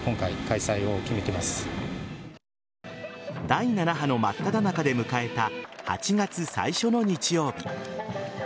第７波の真っただ中で迎えた８月最初の日曜日。